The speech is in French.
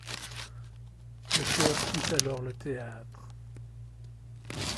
Le chœur quitte alors le théâtre.